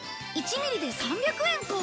１ミリで３００円か